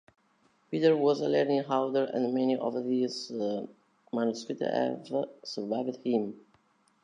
Peter was a learned author and many of his manuscripts have survived him.